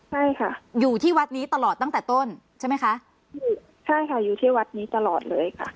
ใช่ค่ะอยู่ที่วัดนี้ตลอดตั้งแต่ต้นใช่ไหมคะอยู่ใช่ค่ะอยู่ที่วัดนี้ตลอดเลยค่ะ